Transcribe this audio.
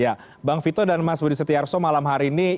ya bang vito dan mas budi setiarso malam hari ini